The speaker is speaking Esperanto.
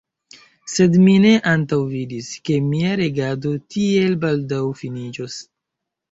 Sed mi ne antaŭvidis, ke mia regado tiel baldaŭ finiĝos.